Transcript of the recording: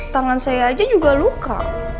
tangan saya aja juga luka